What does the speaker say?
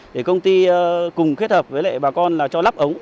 để công ty cùng kết hợp với lại bà con là cho lắp ống